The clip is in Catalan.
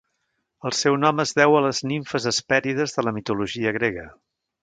El seu nom es deu a les nimfes Hespèrides de la mitologia grega.